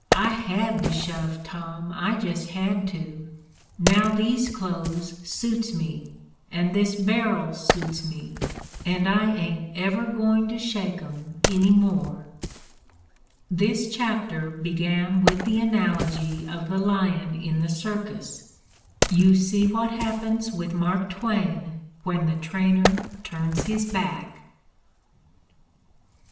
I had to shove, Tom — I just had to. ... Now these clothes suits me, and this bar'l suits me, and I ain't ever going to shake 'em any more. ..." This chapter began with the analogy of ^he lion in the circus. You see what happens with Mark Twain when the trainer turns his back.